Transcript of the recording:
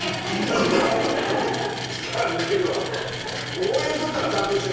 応援するならちゃんとして。